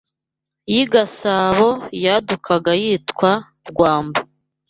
y’ i Gasabo yadukaga yitwaga Rwamba